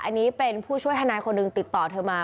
อันนี้เป็นผู้ช่วยทนายคนหนึ่งติดต่อเธอมา